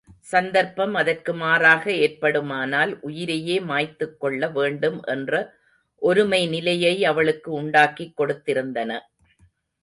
சந்தர்ப்பம் அதற்கு மாறாக ஏற்படுமானால் உயிரையே மாய்த்துக்கொள்ள வேண்டும் என்ற ஒருமை நிலையை அவளுக்கு உண்டாக்கிக் கொடுத்திருந்தன.